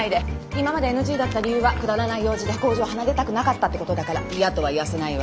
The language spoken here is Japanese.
今までＮＧだった理由はくだらない用事で工場を離れたくなかったってことだから嫌とは言わせないわ。